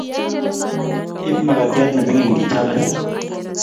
Iib makatiat nemining ngichaame